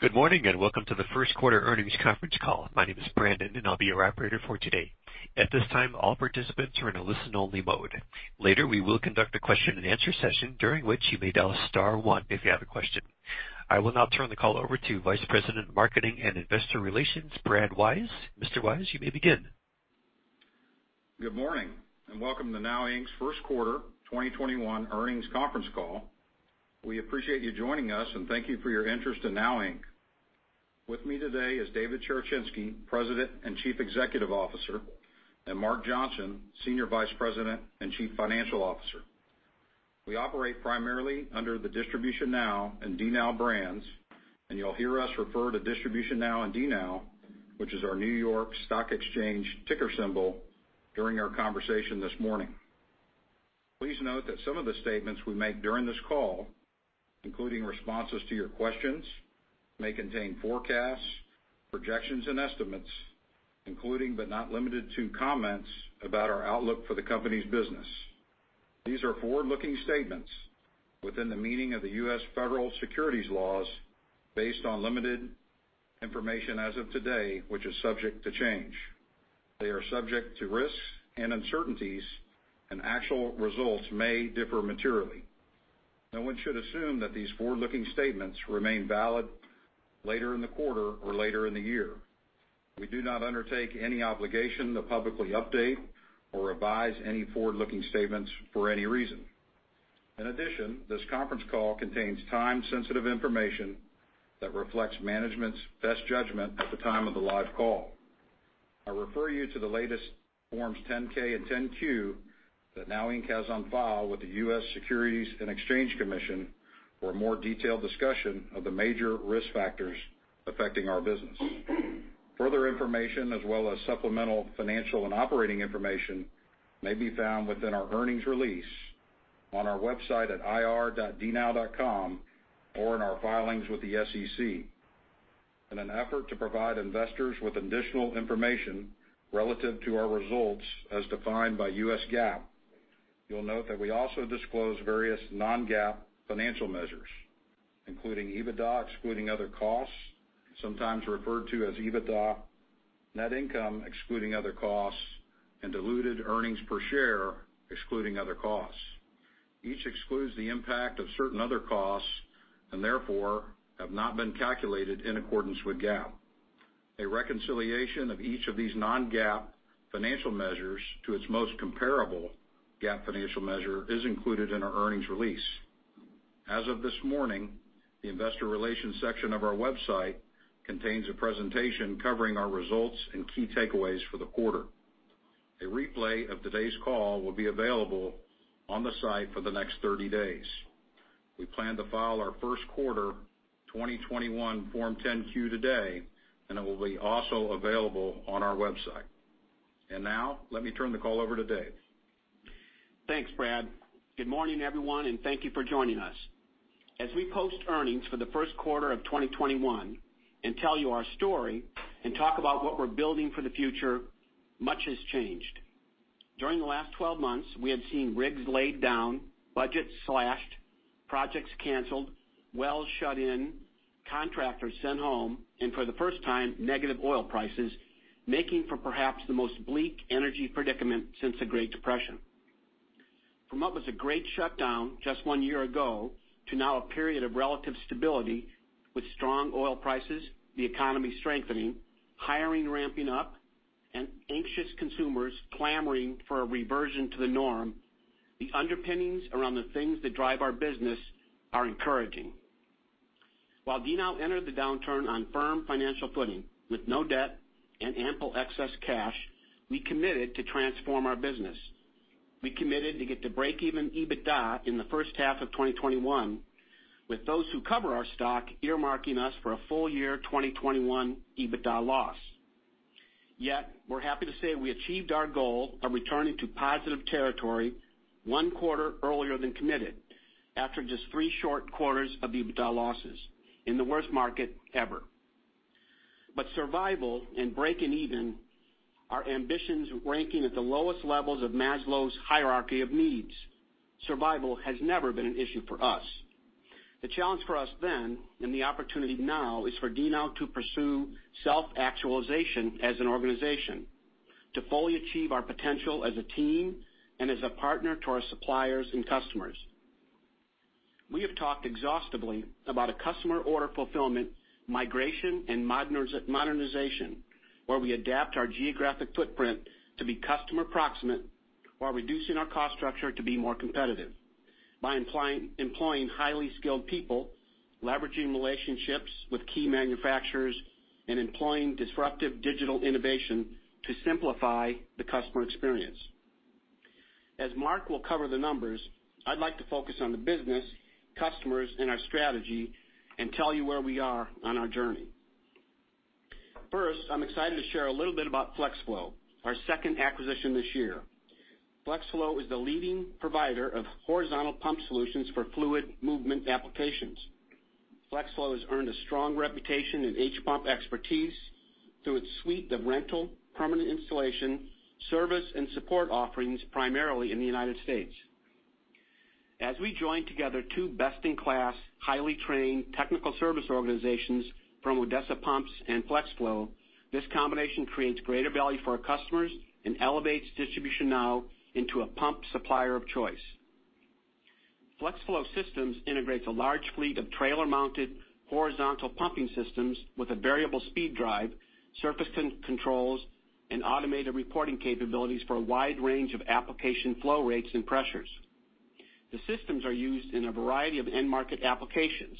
Good morning. Welcome to the first quarter earnings conference call. My name is Brandon, and I'll be your operator for today. At this time, all participants are in a listen-only mode. Later, we will conduct a question-and-answer session, during which you may dial star one if you have a question. I will now turn the call over to Vice President, Marketing and Investor Relations, Brad Wise. Mr. Wise, you may begin. Good morning, and welcome to NOW Inc's first quarter 2021 earnings conference call. We appreciate you joining us, and thank you for your interest in NOW Inc. With me today is David Cherechinsky, President and Chief Executive Officer, and Mark Johnson, Senior Vice President and Chief Financial Officer. We operate primarily under the DistributionNOW and DNOW brands, and you'll hear us refer to DistributionNOW and DNOW, which is our New York Stock Exchange ticker symbol, during our conversation this morning. Please note that some of the statements we make during this call, including responses to your questions, may contain forecasts, projections, and estimates including, but not limited to, comments about our outlook for the company's business. These are forward-looking statements within the meaning of the U.S. federal securities laws based on limited information as of today, which is subject to change. They are subject to risks and uncertainties, and actual results may differ materially. No one should assume that these forward-looking statements remain valid later in the quarter or later in the year. We do not undertake any obligation to publicly update or revise any forward-looking statements for any reason. In addition, this conference call contains time-sensitive information that reflects management's best judgment at the time of the live call. I refer you to the latest Forms 10-K and 10-Q that NOW Inc has on file with the U.S. Securities and Exchange Commission for a more detailed discussion of the major risk factors affecting our business. Further information, as well as supplemental financial and operating information, may be found within our earnings release on our website at ir.dnow.com or in our filings with the SEC. In an effort to provide investors with additional information relative to our results as defined by U.S. GAAP, you'll note that we also disclose various non-GAAP financial measures, including EBITDA excluding other costs, sometimes referred to as EBITDA, net income excluding other costs, and diluted earnings per share excluding other costs. Each excludes the impact of certain other costs, and therefore, have not been calculated in accordance with GAAP. A reconciliation of each of these non-GAAP financial measures to its most comparable GAAP financial measure is included in our earnings release. As of this morning, the investor relations section of our website contains a presentation covering our results and key takeaways for the quarter. A replay of today's call will be available on the site for the next 30 days. We plan to file our first quarter 2021 Form 10-Q today, and it will be also available on our website. Now, let me turn the call over to Dave. Thanks, Brad. Good morning, everyone, and thank you for joining us. As we post earnings for the first quarter of 2021 and tell you our story and talk about what we're building for the future, much has changed. During the last 12 months, we have seen rigs laid down, budgets slashed, projects canceled, well shut-in, contractors sent home, and for the first time, negative oil prices, making for perhaps the most bleak energy predicament since the Great Depression. From what was a great shutdown just one year ago to now a period of relative stability with strong oil prices, the economy strengthening, hiring ramping up, and anxious consumers clamoring for a reversion to the norm, the underpinnings around the things that drive our business are encouraging. While DNOW entered the downturn on firm financial footing with no debt and ample excess cash, we committed to transform our business. We committed to get to break-even EBITDA in the first half of 2021, with those who cover our stock earmarking us for a full-year 2021 EBITDA loss. Yet we're happy to say we achieved our goal of returning to positive territory one quarter earlier than committed after just three short quarters of EBITDA losses in the worst market ever. Survival and breaking even our ambitions ranking at the lowest levels of Maslow's hierarchy of needs. Survival has never been an issue for us. The challenge for us then, and the opportunity now, is for DNOW to pursue self-actualization as an organization to fully achieve our potential as a team and as a partner to our suppliers and customers. We have talked exhaustively about a customer order fulfillment migration and modernization, where we adapt our geographic footprint to be customer proximate while reducing our cost structure to be more competitive by employing highly skilled people, leveraging relationships with key manufacturers, and employing disruptive digital innovation to simplify the customer experience. As Mark will cover the numbers, I'd like to focus on the business, customers, and our strategy and tell you where we are on our journey. First, I'm excited to share a little bit about Flex Flow, our second acquisition this year. Flex Flow is the leading provider of horizontal pump solutions for fluid movement applications. Flex Flow has earned a strong reputation in H-pump expertise through its suite of rental, permanent installation, service, and support offerings, primarily in the U.S. As we join together two best-in-class, highly trained technical service organizations from Odessa Pumps and Flex Flow, this combination creates greater value for our customers and elevates DistributionNOW into a pump supplier of choice. Flex Flow systems integrates a large fleet of trailer-mounted horizontal pumping systems with a variable speed drive, surface controls, and automated reporting capabilities for a wide range of application flow rates and pressures. The systems are used in a variety of end market applications,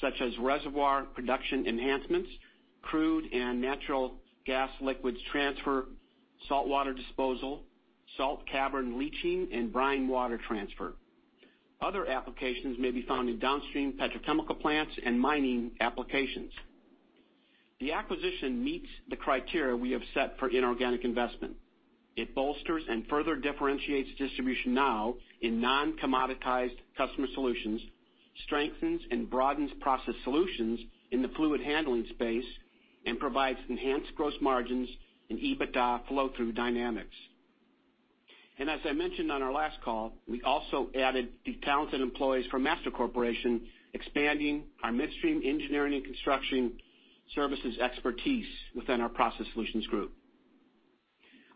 such as reservoir production enhancements, crude and natural gas liquids transfer, saltwater disposal, salt cavern leaching, and brine water transfer. Other applications may be found in downstream petrochemical plants and mining applications. The acquisition meets the criteria we have set for inorganic investment. It bolsters and further differentiates DistributionNOW in non-commoditized customer solutions, strengthens and broadens Process Solutions in the fluid handling space, and provides enhanced gross margins and EBITDA flow-through dynamics. As I mentioned on our last call, we also added the talented employees from Master Corporation, expanding our midstream engineering and construction services expertise within our Process Solutions Group.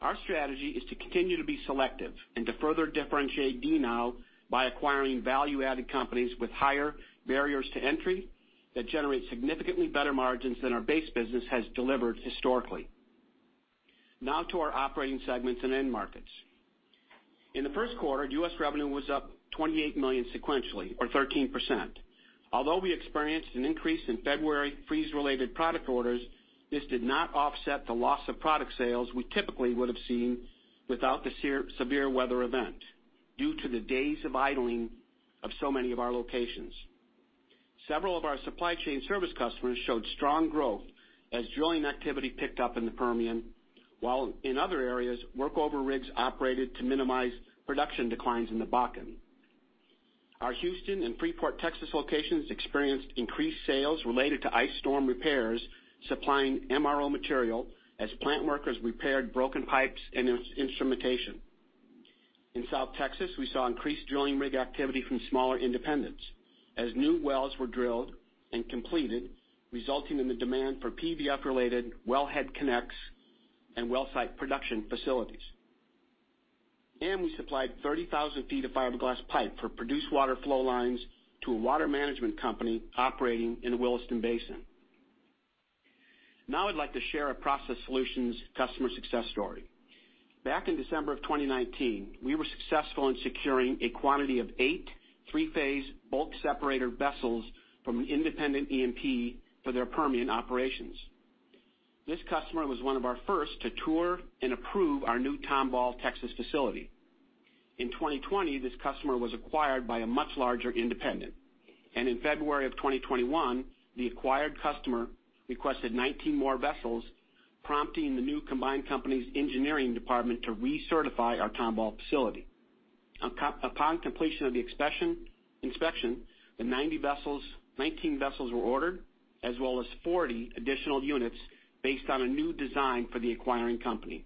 Our strategy is to continue to be selective and to further differentiate DNOW by acquiring value-added companies with higher barriers to entry that generate significantly better margins than our base business has delivered historically. Now to our operating segments and end markets. In the first quarter, U.S. revenue was up $28 million sequentially, or 13%. Although we experienced an increase in February freeze-related product orders, this did not offset the loss of product sales we typically would have seen without the severe weather event due to the days of idling of so many of our locations. Several of our supply chain service customers showed strong growth as drilling activity picked up in the Permian, while in other areas, workover rigs operated to minimize production declines in the Bakken. Our Houston and Freeport, Texas, locations experienced increased sales related to ice storm repairs, supplying MRO material as plant workers repaired broken pipes and instrumentation. In South Texas, we saw increased drilling rig activity from smaller independents as new wells were drilled and completed, resulting in the demand for PVF-related wellhead connects and well site production facilities. We supplied 30,000 ft of fiberglass pipe for produced water flow lines to a water management company operating in the Williston Basin. Now I'd like to share a Process Solutions customer success story. Back in December of 2019, we were successful in securing a quantity of eight three-phase bulk separator vessels from an independent E&P for their Permian operations. This customer was one of our first to tour and approve our new Tomball, Texas, facility. In 2020, this customer was acquired by a much larger independent, and in February of 2021, the acquired customer requested 19 more vessels, prompting the new combined company's engineering department to recertify our Tomball facility. Upon completion of the inspection, the 19 vessels were ordered, as well as 40 additional units based on a new design for the acquiring company.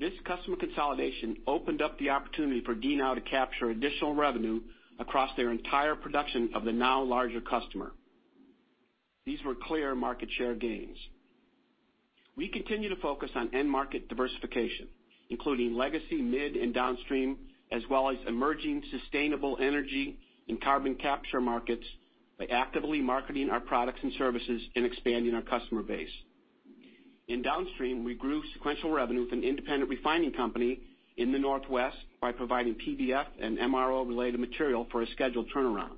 This customer consolidation opened up the opportunity for DNOW to capture additional revenue across their entire production of the now larger customer. These were clear market share gains. We continue to focus on end market diversification, including legacy mid and downstream, as well as emerging sustainable energy and carbon capture markets by actively marketing our products and services and expanding our customer base. In downstream, we grew sequential revenue with an independent refining company in the Northwest by providing PVF and MRO-related material for a scheduled turnaround.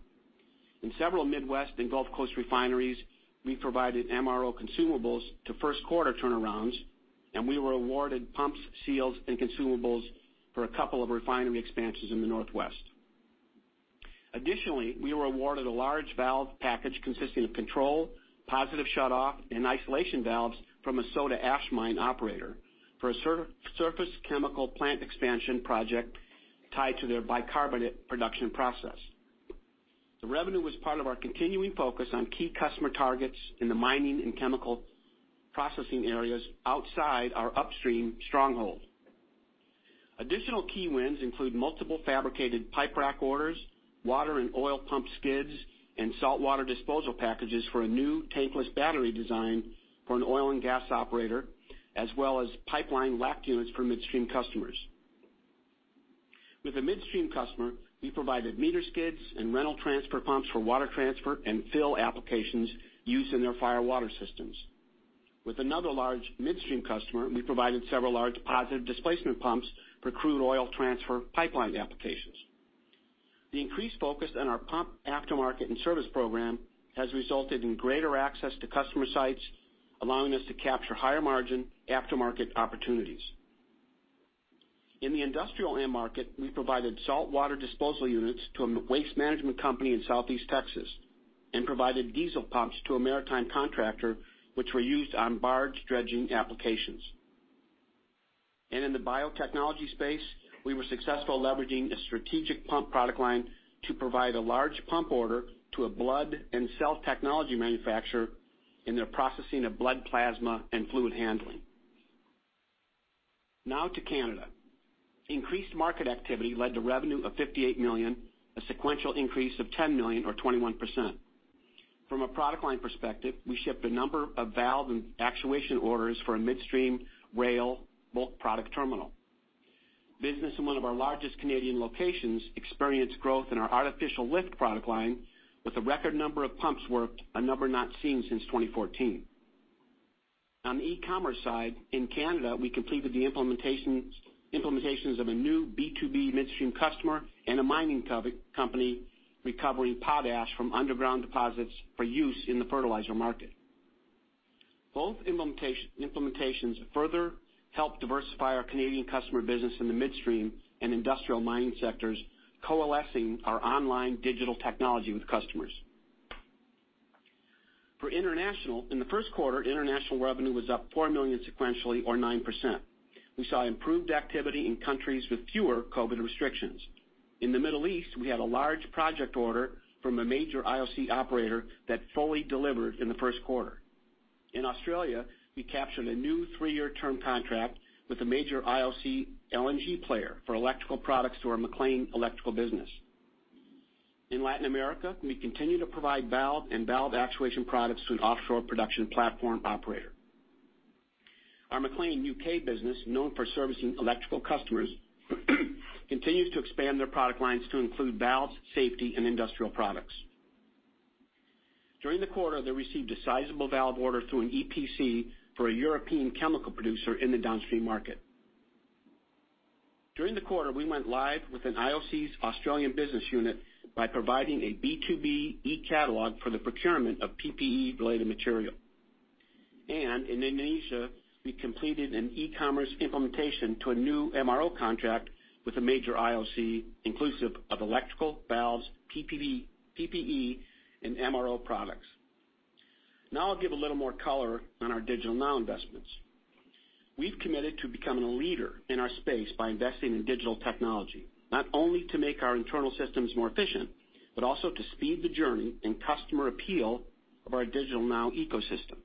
In several Midwest and Gulf Coast refineries, we provided MRO consumables to first quarter turnarounds, and we were awarded pumps, seals, and consumables for a couple of refinery expansions in the Northwest. Additionally, we were awarded a large valve package consisting of control, positive shutoff, and isolation valves from a soda ash mine operator for a surface chemical plant expansion project tied to their bicarbonate production process. The revenue was part of our continuing focus on key customer targets in the mining and chemical processing areas outside our upstream stronghold. Additional key wins include multiple fabricated pipe rack orders, water and oil pump skids, and saltwater disposal packages for a new tankless battery design for an oil and gas operator, as well as pipeline LACT units for midstream customers. With a midstream customer, we provided meter skids and rental transfer pumps for water transfer and fill applications used in their fire water systems. With another large midstream customer, we provided several large positive displacement pumps for crude oil transfer pipeline applications. The increased focus on our pump aftermarket and service program has resulted in greater access to customer sites, allowing us to capture higher margin aftermarket opportunities. In the industrial end market, we provided saltwater disposal units to a waste management company in Southeast Texas and provided diesel pumps to a maritime contractor, which were used on barge dredging applications. In the biotechnology space, we were successful leveraging a strategic pump product line to provide a large pump order to a blood and cell technology manufacturer in their processing of blood plasma and fluid handling. Now to Canada. Increased market activity led to revenue of $58 million, a sequential increase of $10 million or 21%. From a product line perspective, we shipped a number of valve and actuation orders for a midstream rail bulk product terminal. Business in one of our largest Canadian locations experienced growth in our artificial lift product line with a record number of pumps worked, a number not seen since 2014. On the e-commerce side, in Canada, we completed the implementations of a new B2B midstream customer and a mining company recovery potash from underground deposits for use in the fertilizer market. Both implementations further help diversify our Canadian customer business in the midstream and industrial mining sectors, coalescing our online digital technology with customers. For international, in the first quarter, international revenue was up $4 million sequentially or 9%. We saw improved activity in countries with fewer COVID restrictions. In the Middle East, we had a large project order from a major IOC operator that fully delivered in the first quarter. In Australia, we captured a new three-year term contract with a major IOC LNG player for electrical products to our MacLean electrical business. In Latin America, we continue to provide valve and valve actuation products to an offshore production platform operator. Our MacLean U.K. business, known for servicing electrical customers, continues to expand their product lines to include valves, safety, and industrial products. During the quarter, they received a sizable valve order through an EPC for a European chemical producer in the downstream market. During the quarter, we went live with an IOC's Australian business unit by providing a B2B e-catalog for the procurement of PPE-related material. In Indonesia, we completed an e-commerce implementation to a new MRO contract with a major IOC inclusive of electrical valves, PPE and MRO products. Now, I'll give a little more color on our DigitalNOW investments. We've committed to becoming a leader in our space by investing in digital technology, not only to make our internal systems more efficient, but also to speed the journey and customer appeal of our DigitalNOW ecosystem.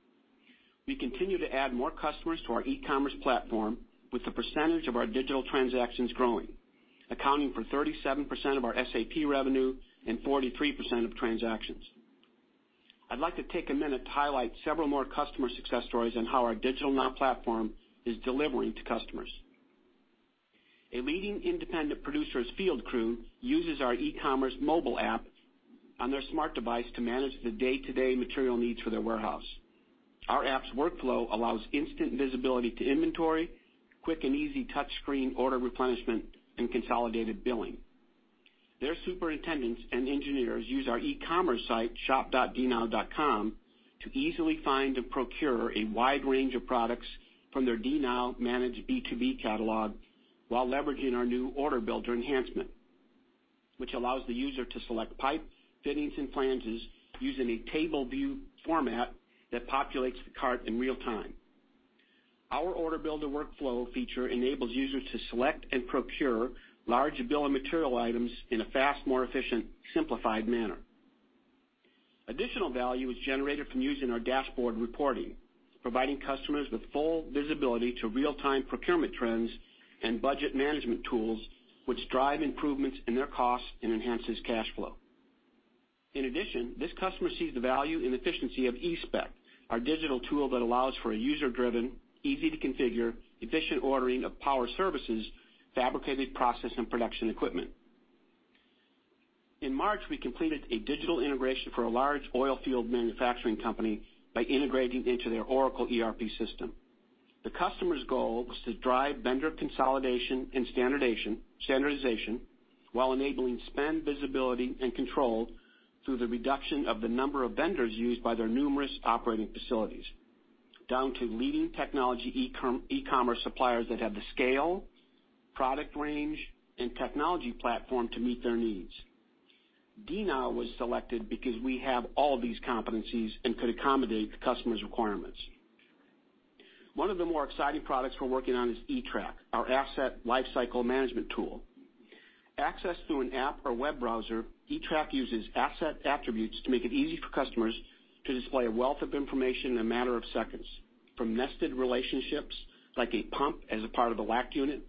We continue to add more customers to our e-commerce platform with the percentage of our digital transactions growing, accounting for 37% of our SAP revenue and 43% of transactions. I'd like to take a minute to highlight several more customer success stories on how our DigitalNOW platform is delivering to customers. A leading independent producer's field crew uses our e-commerce mobile app on their smart device to manage the day-to-day material needs for their warehouse. Our app's workflow allows instant visibility to inventory, quick and easy touch screen order replenishment, and consolidated billing. Their superintendents and engineers use our eCommerce site, shop.dnow.com, to easily find and procure a wide range of products from their DNOW managed B2B catalog while leveraging our new OrderBuilder enhancement, which allows the user to select pipe, fittings, and flanges using a table view format that populates the cart in real time. Our OrderBuilder workflow feature enables users to select and procure large bill of material items in a fast, more efficient, simplified manner. Additional value is generated from using our dashboard reporting, providing customers with full visibility to real-time procurement trends and budget management tools, which drive improvements in their costs and enhances cash flow. In addition, this customer sees the value and efficiency of eSpec, our digital tool that allows for a user-driven, easy-to-configure, efficient ordering of power services, fabricated process and production equipment. In March, we completed a digital integration for a large oil field manufacturing company by integrating into their Oracle ERP system. The customer's goal was to drive vendor consolidation and standardization while enabling spend visibility and control through the reduction of the number of vendors used by their numerous operating facilities, down to leading technology e-commerce suppliers that have the scale, product range, and technology platform to meet their needs. DNOW was selected because we have all these competencies and could accommodate the customer's requirements. One of the more exciting products we're working on is eTrack, our asset lifecycle management tool. Accessed through an app or web browser, eTrack uses asset attributes to make it easy for customers to display a wealth of information in a matter of seconds, from nested relationships like a pump as a part of a LACT unit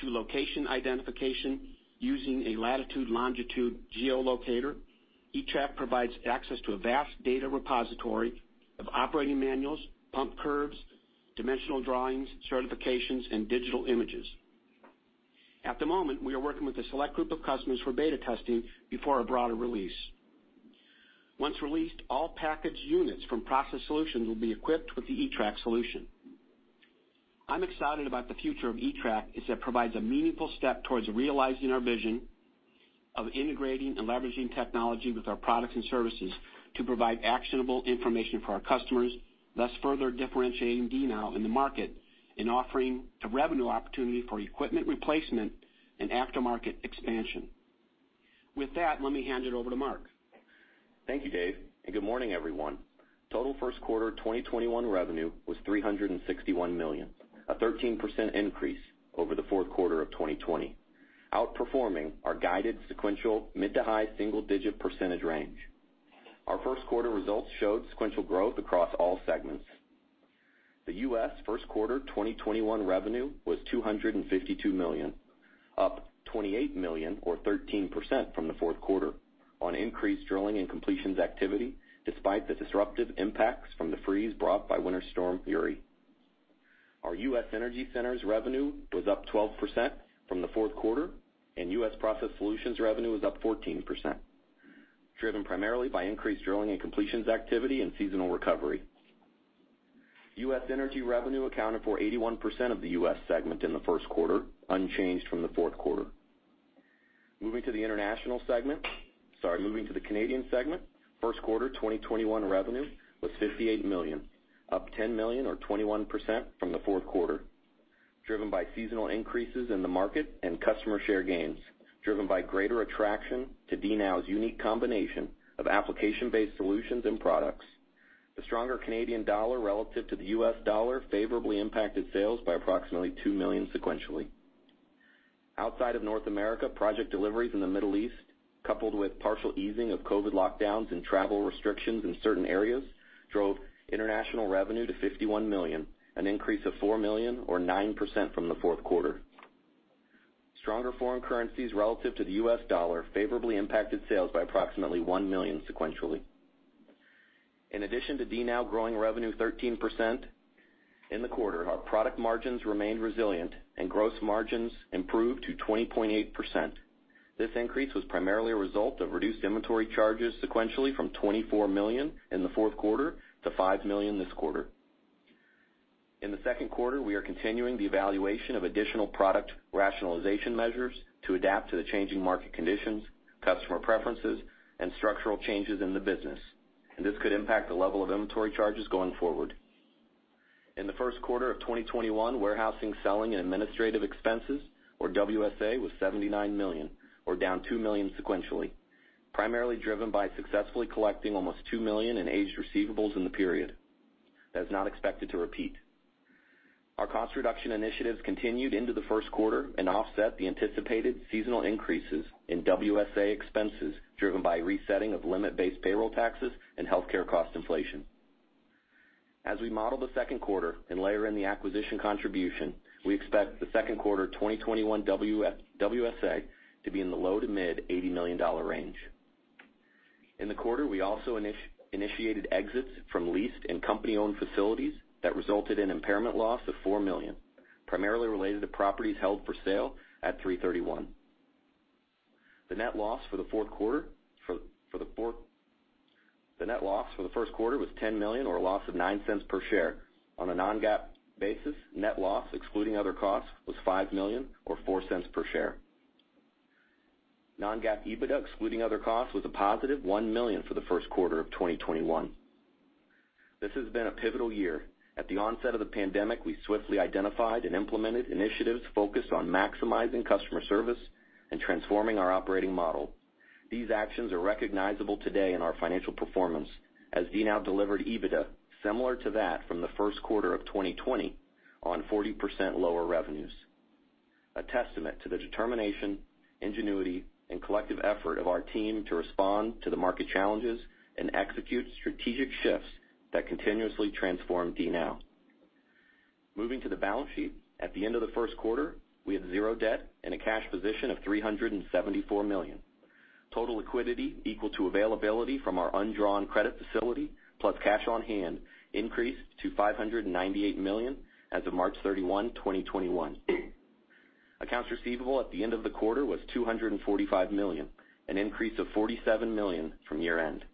to location identification, using a latitude, longitude, geo-locator. eTrack provides access to a vast data repository of operating manuals, pump curves, dimensional drawings, certifications, and digital images. At the moment, we are working with a select group of customers for beta testing before a broader release. Once released, all packaged units from Process Solutions will be equipped with the eTrack solution. I'm excited about the future of eTrack as it provides a meaningful step towards realizing our vision of integrating and leveraging technology with our products and services to provide actionable information for our customers, thus further differentiating DNOW in the market and offering a revenue opportunity for equipment replacement and aftermarket expansion. With that, let me hand it over to Mark. Thank you, Dave, and good morning, everyone. Total first quarter 2021 revenue was $361 million, a 13% increase over the fourth quarter of 2020, outperforming our guided sequential mid to high single digit percentage range. Our first quarter results showed sequential growth across all segments. The U.S. first quarter 2021 revenue was $252 million, up $28 million or 13% from the fourth quarter on increased drilling and completions activity, despite the disruptive impacts from the freeze brought by Winter Storm Uri. Our U.S. Energy centers revenue was up 12% from the fourth quarter, and U.S. Process Solutions revenue was up 14%, driven primarily by increased drilling and completions activity and seasonal recovery. U.S. Energy revenue accounted for 81% of the U.S. segment in the first quarter, unchanged from the fourth quarter. Moving to the international segment, sorry, moving to the Canadian segment, first quarter 2021 revenue was $58 million, up $10 million or 21% from the fourth quarter, driven by seasonal increases in the market and customer share gains, driven by greater attraction to DNOW's unique combination of application-based solutions and products. The stronger Canadian dollar relative to the U.S. dollar favorably impacted sales by approximately $2 million sequentially. Outside of North America, project deliveries in the Middle East, coupled with partial easing of COVID lockdowns and travel restrictions in certain areas, drove international revenue to $51 million, an increase of $4 million or 9% from the fourth quarter. Stronger foreign currencies relative to the U.S. dollar favorably impacted sales by approximately $1 million sequentially. In addition to DNOW growing revenue 13% in the quarter, our product margins remained resilient and gross margins improved to 20.8%. This increase was primarily a result of reduced inventory charges sequentially from $24 million in the fourth quarter to $5 million this quarter. In the second quarter, we are continuing the evaluation of additional product rationalization measures to adapt to the changing market conditions, customer preferences, and structural changes in the business, and this could impact the level of inventory charges going forward. In the first quarter of 2021, warehousing, selling, and administrative expenses, or WSA, was $79 million, or down $2 million sequentially, primarily driven by successfully collecting almost $2 million in aged receivables in the period. That is not expected to repeat. Our cost reduction initiatives continued into the first quarter and offset the anticipated seasonal increases in WSA expenses, driven by resetting of limit-based payroll taxes and healthcare cost inflation. As we model the second quarter and layer in the acquisition contribution, we expect the second quarter 2021 WSA to be in the low-to-mid $80 million range. In the quarter, we also initiated exits from leased and company-owned facilities that resulted in impairment loss of $4 million, primarily related to properties held for sale at $331. The net loss for the first quarter was $10 million, or a loss of $0.09 per share. On a non-GAAP basis, net loss excluding other costs was $5 million or $0.04 per share. Non-GAAP EBITDA excluding other costs was a positive $1 million for the first quarter of 2021. This has been a pivotal year. At the onset of the pandemic, we swiftly identified and implemented initiatives focused on maximizing customer service and transforming our operating model. These actions are recognizable today in our financial performance as DNOW delivered EBITDA similar to that from the first quarter of 2020 on 40% lower revenues. A testament to the determination, ingenuity, and collective effort of our team to respond to the market challenges and execute strategic shifts that continuously transform DNOW. Moving to the balance sheet. At the end of the first quarter, we had zero debt and a cash position of $374 million. Total liquidity equal to availability from our undrawn credit facility, plus cash on hand, increased to $598 million as of March 31, 2021. Accounts receivable at the end of the quarter was $245 million, an increase of $47 million from year-end.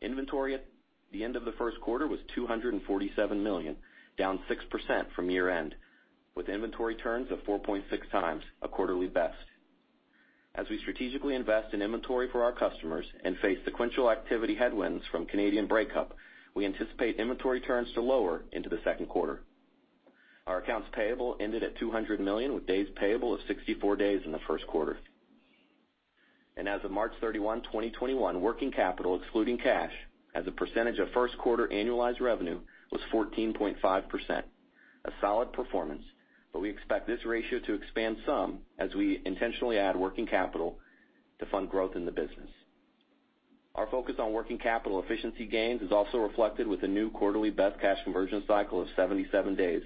Inventory at the end of the first quarter was $247 million, down 6% from year-end, with inventory turns of 4.6 times, a quarterly best. As we strategically invest in inventory for our customers and face sequential activity headwinds from Canadian breakup, we anticipate inventory turns to lower into the second quarter. Our accounts payable ended at $200 million, with days payable of 64 days in the first quarter. As of March 31, 2021, working capital excluding cash as a percentage of first quarter annualized revenue was 14.5%. A solid performance, but we expect this ratio to expand some, as we intentionally add working capital to fund growth in the business. Our focus on working capital efficiency gains is also reflected with a new quarterly best cash conversion cycle of 77 days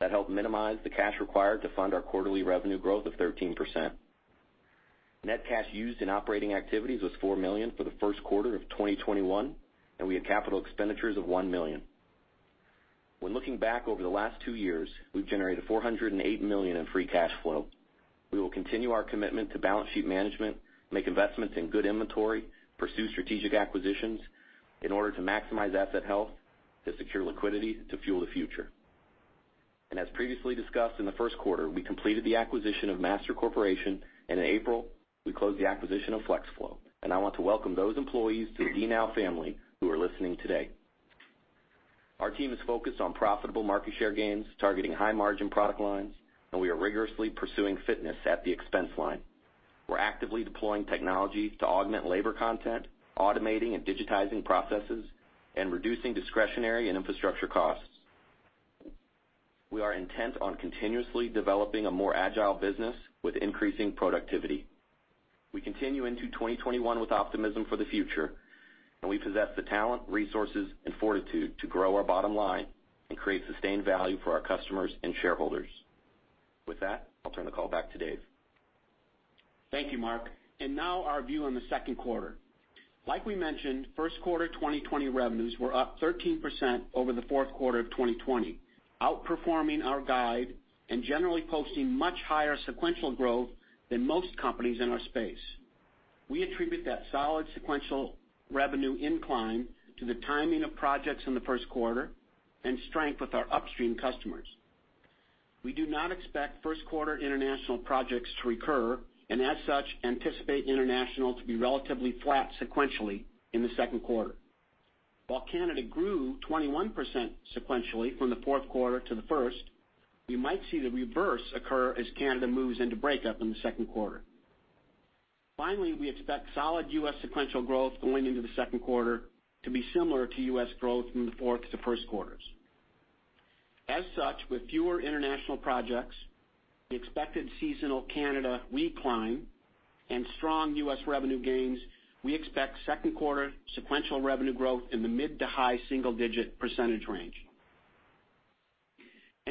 that help minimize the cash required to fund our quarterly revenue growth of 13%. Net cash used in operating activities was $4 million for the first quarter of 2021, and we had capital expenditures of $1 million. When looking back over the last two years, we've generated $408 million in free cash flow. We will continue our commitment to balance sheet management, make investments in good inventory, pursue strategic acquisitions in order to maximize asset health, to secure liquidity to fuel the future. As previously discussed in the first quarter, we completed the acquisition of Master Corporation, and in April, we closed the acquisition of Flex Flow, and I want to welcome those employees to the DNOW family who are listening today. Our team is focused on profitable market share gains, targeting high-margin product lines, and we are rigorously pursuing fitness at the expense line. We're actively deploying technology to augment labor content, automating and digitizing processes, and reducing discretionary and infrastructure costs. We are intent on continuously developing a more agile business with increasing productivity. We continue into 2021 with optimism for the future, and we possess the talent, resources, and fortitude to grow our bottom line and create sustained value for our customers and shareholders. With that, I'll turn the call back to Dave. Thank you, Mark. Now our view on the second quarter. Like we mentioned, first quarter 2020 revenues were up 13% over the fourth quarter of 2020, outperforming our guide and generally posting much higher sequential growth than most companies in our space. We attribute that solid sequential revenue incline to the timing of projects in the first quarter and strength with our upstream customers. We do not expect first quarter international projects to recur, and as such, anticipate international to be relatively flat sequentially in the second quarter. While Canada grew 21% sequentially from the fourth quarter to the first, we might see the reverse occur as Canada moves into breakup in the second quarter. Finally, we expect solid U.S. sequential growth going into the second quarter to be similar to U.S. growth from the fourth to first quarters. As such, with fewer international projects, the expected seasonal Canada recline, and strong U.S. revenue gains, we expect second quarter sequential revenue growth in the mid to high single-digit percentage range.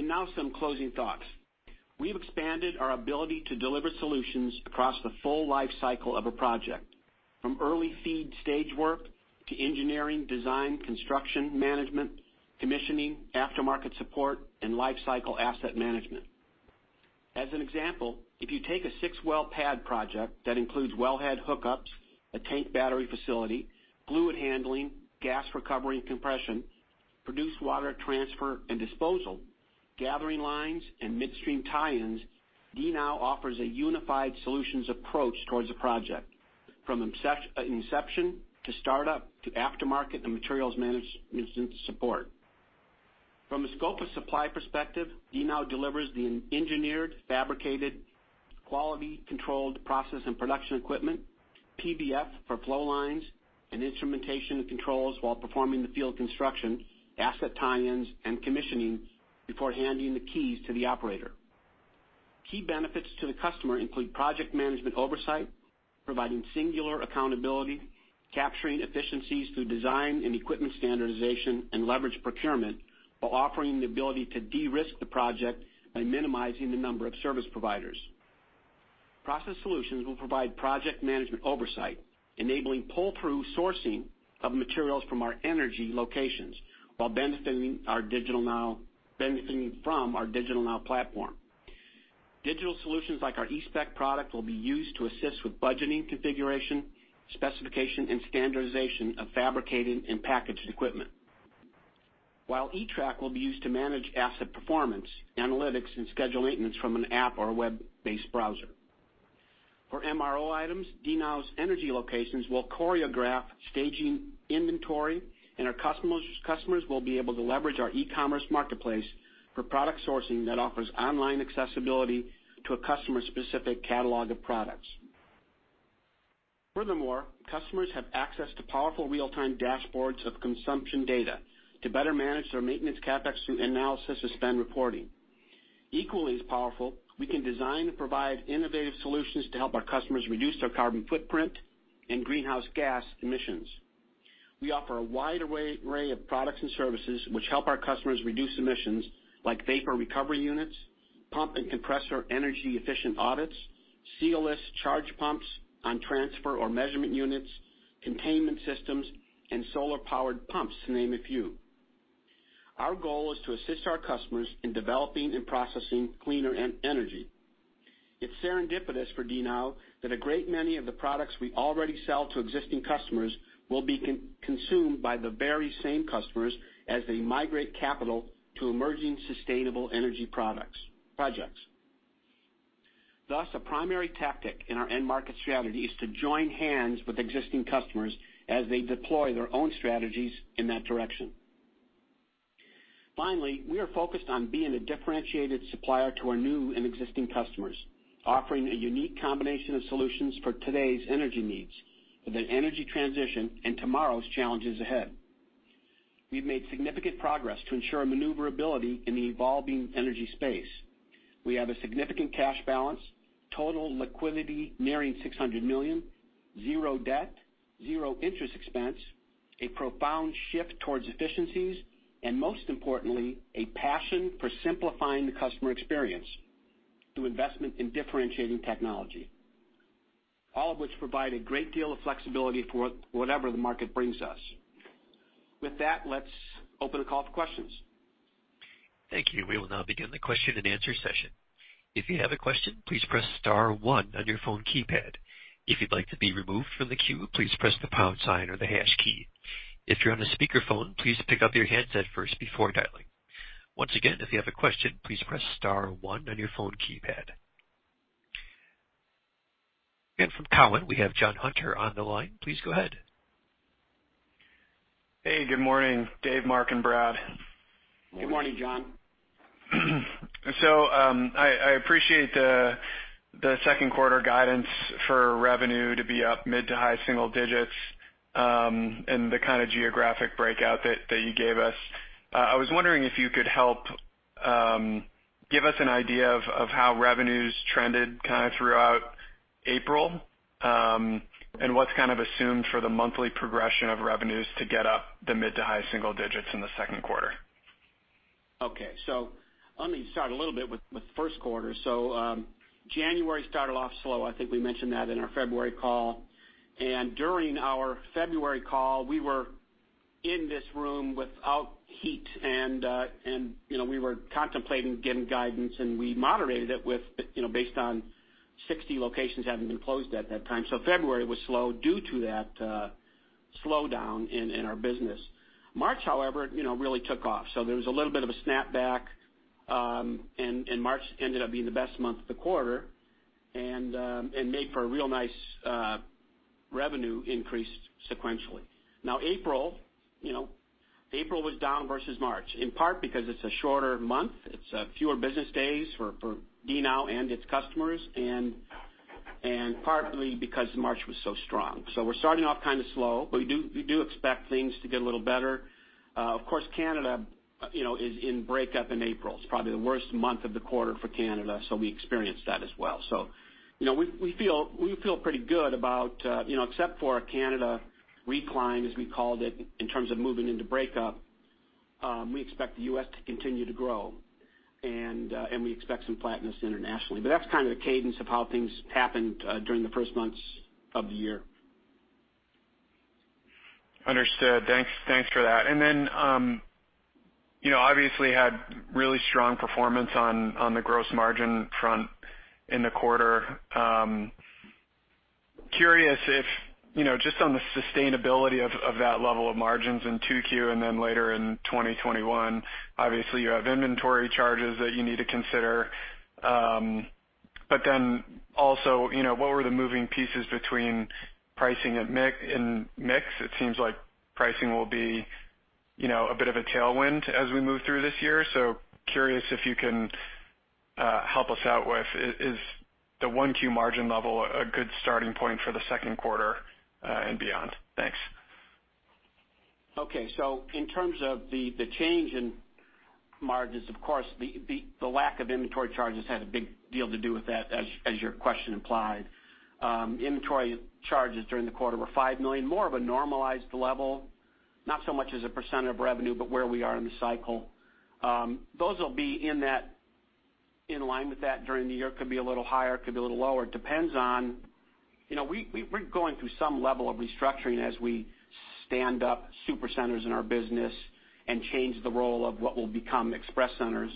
Now some closing thoughts. We've expanded our ability to deliver solutions across the full life cycle of a project, from early FEED stage work to engineering, design, construction, management, commissioning, aftermarket support, and life cycle asset management. As an example, if you take a six-well pad project that includes well head hookups, a tank battery facility, fluid handling, gas recovery and compression, produced water transfer and disposal, gathering lines, and midstream tie-ins, DNOW offers a unified solutions approach towards the project, from inception to start-up, to aftermarket and materials management support. From a scope of supply perspective, DNOW delivers the engineered, fabricated, quality controlled process and production equipment, PVF for flow lines, and instrumentation and controls while performing the field construction, asset tie-ins, and commissioning before handing the keys to the operator. Key benefits to the customer include project management oversight, providing singular accountability, capturing efficiencies through design and equipment standardization and leverage procurement, while offering the ability to de-risk the project by minimizing the number of service providers. Process Solutions will provide project management oversight, enabling pull-through sourcing of materials from our energy locations while benefiting from our DigitalNOW platform. Digital solutions like our eSpec product will be used to assist with budgeting configuration, specification, and standardization of fabricated and packaged equipment. While eTrack will be used to manage asset performance, analytics, and schedule maintenance from an app or a web-based browser. For MRO items, DNOW's energy locations will choreograph staging inventory, and our customers will be able to leverage our e-commerce marketplace for product sourcing that offers online accessibility to a customer-specific catalog of products. Furthermore, customers have access to powerful real-time dashboards of consumption data to better manage their maintenance CapEx through analysis of spend reporting. Equally as powerful, we can design and provide innovative solutions to help our customers reduce their carbon footprint and greenhouse gas emissions. We offer a wide array of products and services which help our customers reduce emissions, like vapor recovery units, pump and compressor energy efficient audits, sealless charge pumps on transfer or measurement units, containment systems, and solar powered pumps, to name a few. Our goal is to assist our customers in developing and processing cleaner energy. It's serendipitous for DNOW that a great many of the products we already sell to existing customers will be consumed by the very same customers as they migrate capital to emerging sustainable energy projects. A primary tactic in our end market strategy is to join hands with existing customers as they deploy their own strategies in that direction. Finally, we are focused on being a differentiated supplier to our new and existing customers, offering a unique combination of solutions for today's energy needs with an energy transition and tomorrow's challenges ahead. We've made significant progress to ensure maneuverability in the evolving energy space. We have a significant cash balance, total liquidity nearing $600 million, zero debt, zero interest expense, a profound shift towards efficiencies, and most importantly, a passion for simplifying the customer experience to investment in differentiating technology. All of which provide a great deal of flexibility for whatever the market brings us. With that, let's open the call for questions. Thank you. We will now begin the question-and-answer session. If you have a question, please press star one on your phone keypad. If you'd like to be removed from the queue, please press the pound sign or the hash key. If you're on a speakerphone, please pick up your headset first before dialing. Once again, if you have a question, please press star one on your phone keypad. From Cowen, we have Jon Hunter on the line. Please go ahead. Hey, good morning, Dave, Mark and Brad. Good morning, Jon. I appreciate the second quarter guidance for revenue to be up mid to high single-digits, and the kind of geographic breakout that you gave us. I was wondering if you could help give us an idea of how revenues trended kind of throughout April, and what's kind of assumed for the monthly progression of revenues to get up the mid to high single-digits in the second quarter. Okay. Let me start a little bit with the first quarter. January started off slow. I think we mentioned that in our February call. During our February call, we were in this room without heat, and we were contemplating giving guidance, and we moderated it based on 60 locations having been closed at that time. February was slow due to that slowdown in our business. March, however, really took off. There was a little bit of a snap back, and March ended up being the best month of the quarter and made for a real nice revenue increase sequentially. Now, April was down versus March, in part because it's a shorter month. It's fewer business days for DNOW and its customers, and partly because March was so strong. We're starting off kind of slow, but we do expect things to get a little better. Of course, Canada is in breakup in April. It's probably the worst month of the quarter for Canada, so we experienced that as well. We feel pretty good about, except for Canada recline, as we called it, in terms of moving into breakup, we expect the U.S. to continue to grow. We expect some flatness internationally. That's kind of the cadence of how things happened during the first months of the year. Understood. Thanks for that. Then obviously had really strong performance on the gross margin front in the quarter. Curious if, just on the sustainability of that level of margins in 2Q and then later in 2021, obviously you have inventory charges that you need to consider. But then also, what were the moving pieces between pricing and mix? It seems like pricing will be a bit of a tailwind as we move through this year. Curious if you can help us out with, is the 1Q margin level a good starting point for the second quarter and beyond? Thanks. Okay. In terms of the change in margins, of course, the lack of inventory charges had a big deal to do with that, as your question implied. Inventory charges during the quarter were $5 million, more of a normalized level, not so much as a percent of revenue, but where we are in the cycle. Those will be in line with that during the year. Could be a little higher, could be a little lower. Depends on, we're going through some level of restructuring as we stand up super centers in our business and change the role of what will become express centers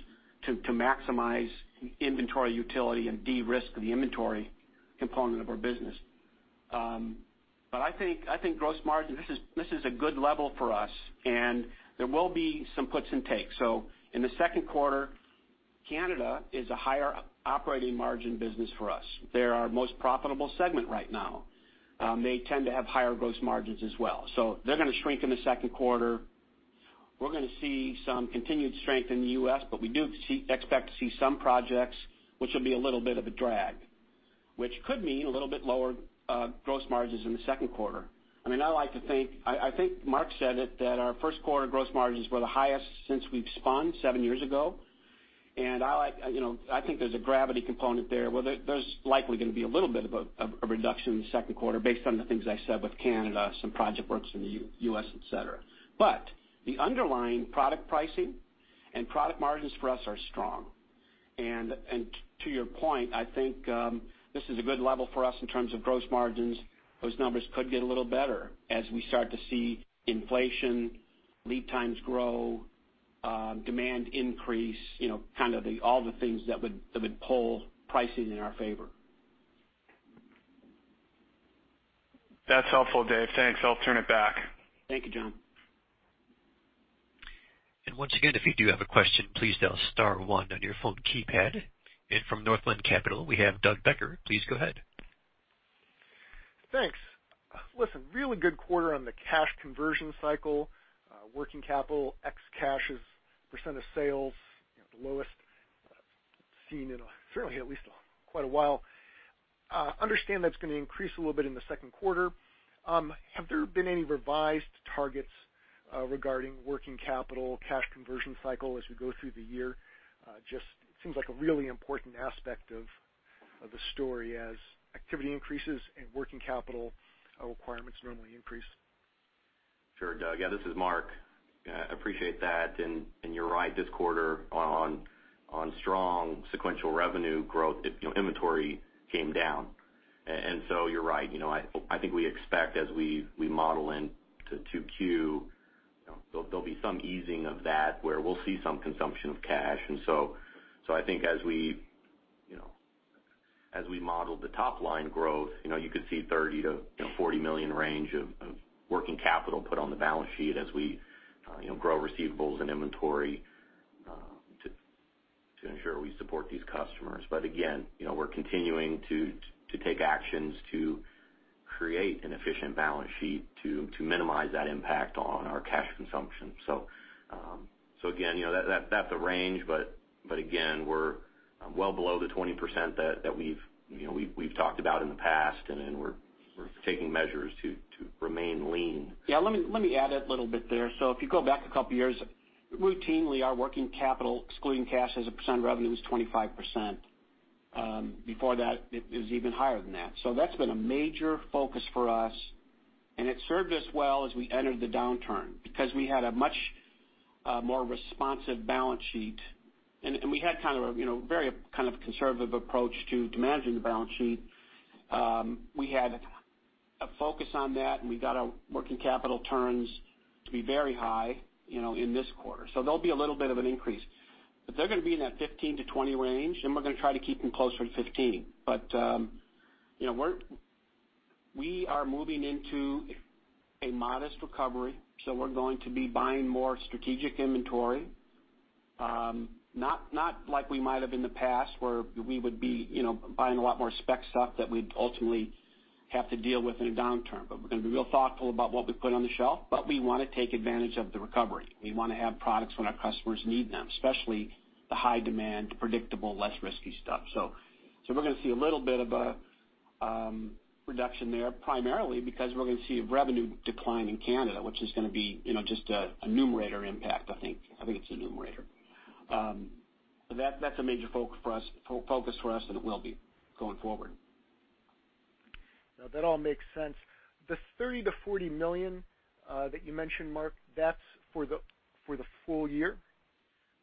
to maximize inventory utility and de-risk the inventory component of our business. I think gross margin, this is a good level for us, and there will be some puts and takes. In the second quarter, Canada is a higher operating margin business for us. They're our most profitable segment right now. They tend to have higher gross margins as well. They're going to shrink in the second quarter. We're going to see some continued strength in the U.S., but we do expect to see some projects which will be a little bit of a drag, which could mean a little bit lower gross margins in the second quarter. I think Mark said it, that our first quarter gross margins were the highest since we've spun seven years ago, and I think there's a gravity component there. Well, there's likely going to be a little bit of a reduction in the second quarter based on the things I said with Canada, some project works in the U.S., et cetera. The underlying product pricing and product margins for us are strong. To your point, I think this is a good level for us in terms of gross margins. Those numbers could get a little better as we start to see inflation, lead times grow, demand increase, kind of all the things that would pull pricing in our favor. That's helpful, Dave. Thanks. I'll turn it back. Thank you, Jon. Once again, if you do have a question, please dial star one on your phone keypad. From Northland Capital Markets, we have Doug Becker. Please go ahead. Thanks. Listen, really good quarter on the cash conversion cycle. Working capital x cash's percent of sales, the lowest seen in, certainly at least quite a while. Understand that's going to increase a little bit in the second quarter. Have there been any revised targets regarding working capital, cash conversion cycle as we go through the year? Just seems like a really important aspect of the story as activity increases and working capital requirements normally increase. Sure, Doug. Yeah, this is Mark. Appreciate that. You're right, this quarter on strong sequential revenue growth, inventory came down. You're right. I think we expect as we model into 2Q, there'll be some easing of that where we'll see some consumption of cash. I think as we model the top-line growth, you could see $30 million-$40 million range of working capital put on the balance sheet as we grow receivables and inventory to ensure we support these customers. Again, we're continuing to take actions to create an efficient balance sheet to minimize that impact on our cash consumption. Again, that's a range, but again, we're well below the 20% that we've talked about in the past, and we're taking measures to remain lean. Yeah. Let me add a little bit there. If you go back a couple of years, routinely, our working capital, excluding cash as a percent of revenue, is 25%. Before that, it was even higher than that. That's been a major focus for us, and it served us well as we entered the downturn, because we had a much more responsive balance sheet, and we had a very conservative approach to managing the balance sheet. We had a focus on that, and we got our working capital turns to be very high in this quarter. There'll be a little bit of an increase. They're going to be in that 15%-20% range, and we're going to try to keep them closer to 15%. We are moving into a modest recovery, so we're going to be buying more strategic inventory. Not like we might have in the past, where we would be buying a lot more spec stuff that we'd ultimately have to deal with in a downturn. We're going to be real thoughtful about what we put on the shelf, but we want to take advantage of the recovery. We want to have products when our customers need them, especially the high-demand, predictable, less risky stuff. We're going to see a little bit of a reduction there, primarily because we're going to see a revenue decline in Canada, which is going to be just a numerator impact, I think. I think it's a numerator. That's a major focus for us, and it will be going forward. No, that all makes sense. The $30 million-$40 million that you mentioned, Mark, that's for the full year?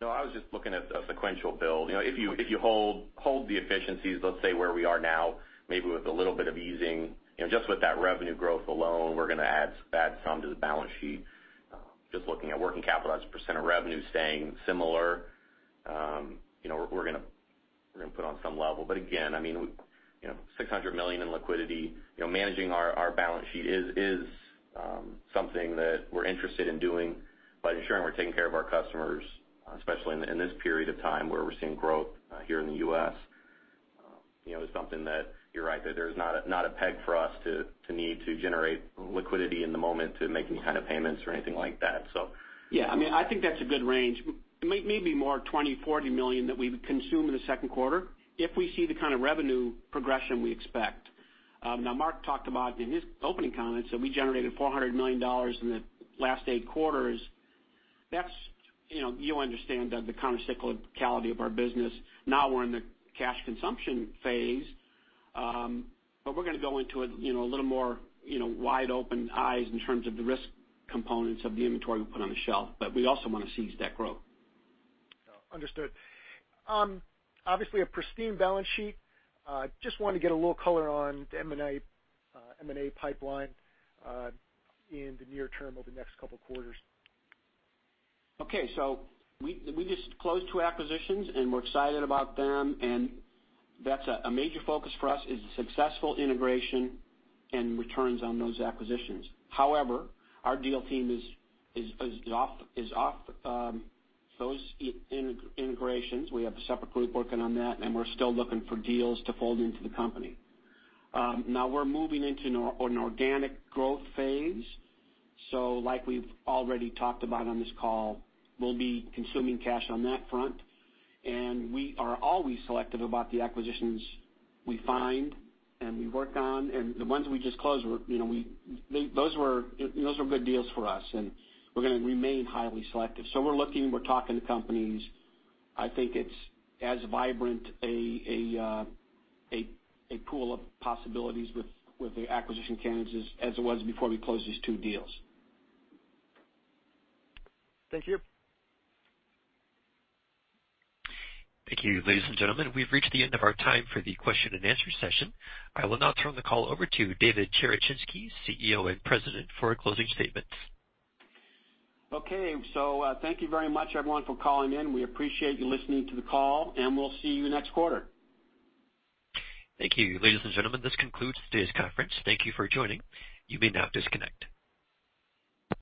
No, I was just looking at the sequential build. If you hold the efficiencies, let's say, where we are now, maybe with a little bit of easing, just with that revenue growth alone, we're going to add some to the balance sheet. Just looking at working capital as a percent of revenue staying similar, we're going to put on some level. Again, $600 million in liquidity. Managing our balance sheet is something that we're interested in doing, but ensuring we're taking care of our customers, especially in this period of time where we're seeing growth here in the U.S., is something that you're right. There's not a peg for us to need to generate liquidity in the moment to make any kind of payments or anything like that. Yeah, I think that's a good range. It may be more $20 million, $40 million that we would consume in the second quarter if we see the kind of revenue progression we expect. Mark talked about in his opening comments that we generated $400 million in the last eight quarters. You understand the counter-cyclicality of our business. We're in the cash consumption phase. We're going to go into it, a little more wide-open eyes in terms of the risk components of the inventory we put on the shelf. We also want to seize that growth. Understood. Obviously, a pristine balance sheet. Just wanted to get a little color on the M&A pipeline in the near term over the next couple of quarters. Okay. We just closed two acquisitions, and we're excited about them, and that's a major focus for us is the successful integration and returns on those acquisitions. However, our deal team is off those integrations. We have a separate group working on that, and we're still looking for deals to fold into the company. We're moving into an organic growth phase. Like we've already talked about on this call, we'll be consuming cash on that front, and we are always selective about the acquisitions we find and we work on, and the ones we just closed, those were good deals for us, and we're going to remain highly selective. We're looking, we're talking to companies. I think it's as vibrant a pool of possibilities with the acquisition candidates as it was before we closed these two deals. Thank you. Thank you, ladies and gentlemen. We've reached the end of our time for the question-and-answer session. I will now turn the call over to David Cherechinsky, CEO and President, for closing statements. Okay. Thank you very much, everyone, for calling in. We appreciate you listening to the call, and we'll see you next quarter. Thank you. Ladies and gentlemen, this concludes today's conference. Thank you for joining. You may now disconnect.